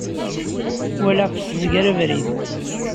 Walaɣ-tt tezger abrid.